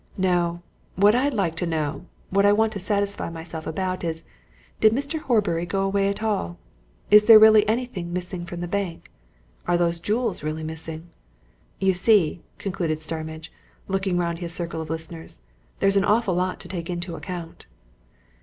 No! what I'd like to know what I want to satisfy myself about is did Mr. Horbury go away at all? Is there really anything missing from the bank? Are those jewels really missing? You see," concluded Starmidge, looking round his circle of listeners, "there's an awful lot to take into account."